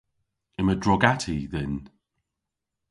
Yma drog-atti dhyn.